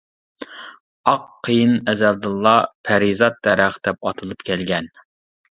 ئاق قېيىن ئەزەلدىنلا «پەرىزات دەرەخ» دەپ ئاتىلىپ كەلگەن.